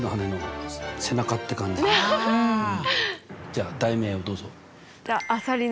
じゃあ題名をどうぞ。